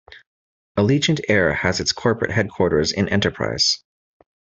Allegiant Air has its corporate headquarters in Enterprise.